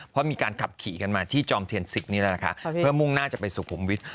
เพราะมีการขับขี่กันมาที่จอมเทียน๑๐นี่แหละนะคะเพื่อมุ่งหน้าจะไปสุขุมวิทย์